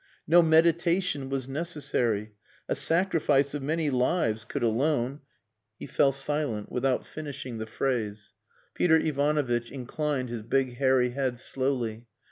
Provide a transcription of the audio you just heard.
No meditation was necessary. A sacrifice of many lives could alone He fell silent without finishing the phrase. Peter Ivanovitch inclined his big hairy head slowly.